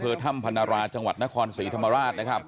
ถ้ำพนราจังหวัดนครศรีธรรมราชนะครับ